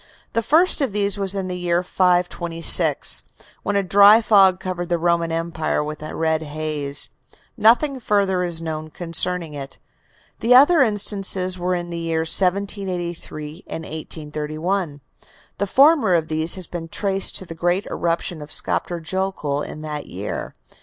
The first of these was in the year 526, when a dry fog covered the Roman Empire with a red haze. Nothing further is known concerning it. The other instances were in the years 1783 and 1831. The former of these has been traced to the great eruption of Skaptur Jokull in that year.